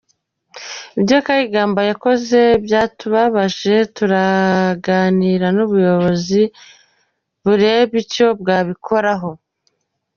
Ibyo Kayigamba yakoze byatubabaje turaganira n’ubuyobozi burebe icyo bwabikoraho”.